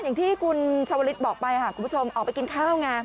อย่างที่คุณชาวลิศบอกไปค่ะคุณผู้ชมออกไปกินข้าวไง